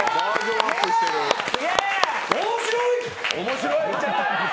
面白い！